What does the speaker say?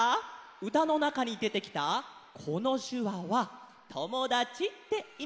うたのなかにでてきたこのしゅわは「ともだち」っていみなんだよ。